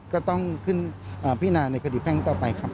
ก็ต้องขึ้นพินาในคดีแพ่งต่อไปครับ